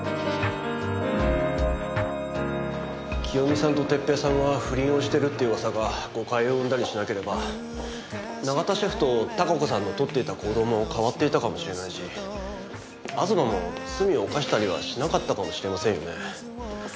清美さんと哲平さんは不倫をしてるって噂が誤解を生んだりしなければ永田シェフと多香子さんの取っていた行動も変わっていたかもしれないし東も罪を犯したりはしなかったかもしれませんよね。